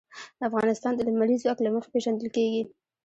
افغانستان د لمریز ځواک له مخې پېژندل کېږي.